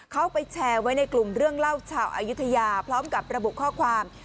เขาไปแชร์ไว้ในกลุ่มเรื่องเล่าชาวอายุทยาพร้อมกับระบุข้อความ